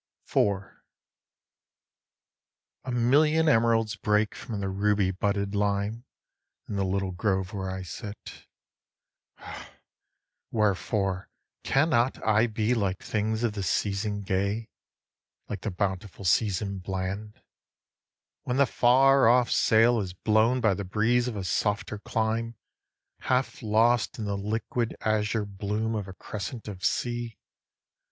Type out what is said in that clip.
IV. 1. A million emeralds break from the ruby budded lime In the little grove where I sit ah, wherefore cannot I be Like things of the season gay, like the bountiful season bland, When the far off sail is blown by the breeze of a softer clime, Half lost in the liquid azure bloom of a crescent of sea.